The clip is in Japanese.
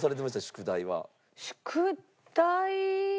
宿題は。